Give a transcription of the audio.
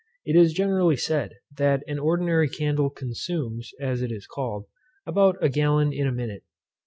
It is generally said, that an ordinary candle consumes, as it is called, about a gallon in a minute.